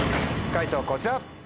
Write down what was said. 解答こちら。